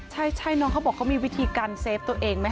ใช่น้องเขาบอกเขามีวิธีการเซฟตัวเองไหมค